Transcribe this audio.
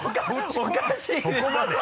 そこまで？